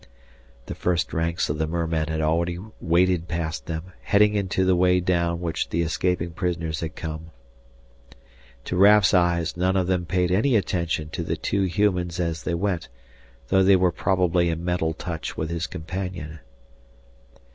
The first ranks of the mermen had already waded past them, heading into the way down which the escaping prisoners had come. To Raf's eyes none of them paid any attention to the two humans as they went, though they were probably in mental touch with his companion.